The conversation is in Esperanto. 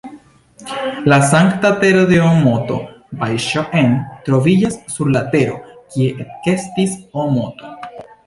La sankta tereno de Oomoto "Bajŝoo-en" troviĝas sur la tero, kie ekestis Oomoto.